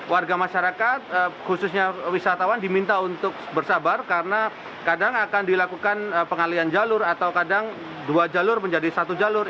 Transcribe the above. warga masyarakat khususnya wisatawan diminta untuk bersabar karena kadang akan dilakukan pengalian jalur atau kadang dua jalur menjadi satu jalur